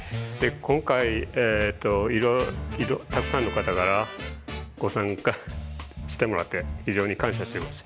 今回いろいろたくさんの方からご参加してもらって非常に感謝しています。